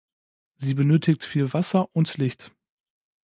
Sie benötigt viel Wasser und Licht.